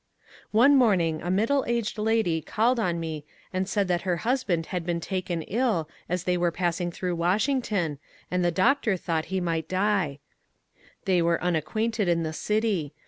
One morning a middle aged lady called on me and said that her husband had been taken ill as they were passing through Washington, and the doctor thought he might die. They were unacquainted in the city.